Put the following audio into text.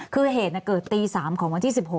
คือเหตุเกิดตี๓ของวันที่๑๖